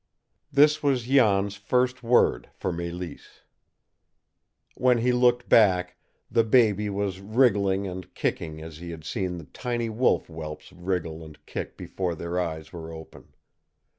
This was Jan's first word for Mélisse. When he looked back, the baby was wriggling and kicking as he had seen tiny wolf whelps wriggle and kick before their eyes were open.